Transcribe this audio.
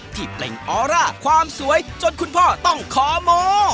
เปล่งออร่าความสวยจนคุณพ่อต้องขอโม